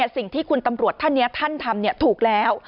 สิ่งที่คุณตำรวจท่านนี้ท่านทำถูกแล้ว